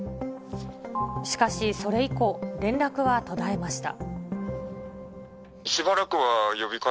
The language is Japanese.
しかし、それ以降、連絡は途絶えました。